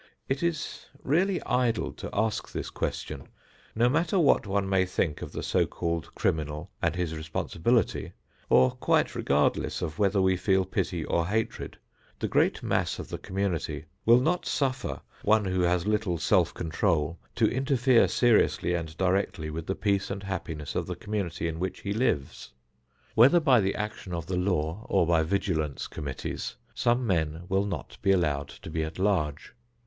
It is really idle to ask this question. No matter what one may think of the so called criminal and his responsibility, or quite regardless of whether we feel pity or hatred, the great mass of the community will not suffer one who has little self control to interfere seriously and directly with the peace and happiness of the community in which he lives. Whether by the action of the law or by vigilance committees, some men will not be allowed to be at large.